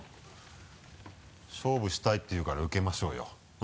勝負したいって言うから受けましょうよ。